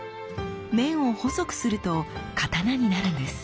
面を細くすると刀になるんです。